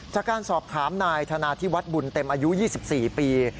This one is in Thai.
จากการสอบถามนายธนาธิวัฒน์บุญเต็มอายุ๒๔ปี